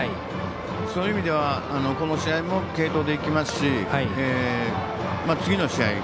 そういう意味ではこの試合も継投でいってますし次の試合